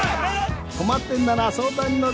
困ってんなら相談に乗るよ。